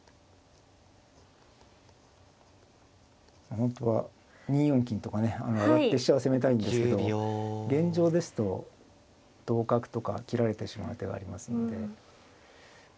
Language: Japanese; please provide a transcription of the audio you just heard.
本当は２四金とかね上がって飛車を攻めたいんですけど現状ですと同角とか切られてしまう手がありますので。